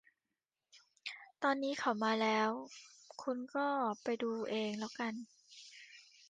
ตอนนี้เขามาแล้ว คุณก็ไปดูเองแล้วกัน